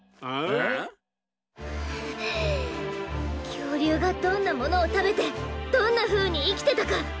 きょうりゅうがどんなものをたべてどんなふうにいきてたか。